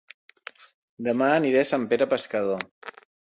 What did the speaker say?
Dema aniré a Sant Pere Pescador